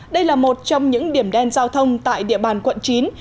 đây là một trong những điểm đen giao thông tại địa bàn quận chín